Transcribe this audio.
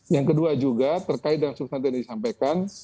yang kedua juga terkait dengan substansi yang disampaikan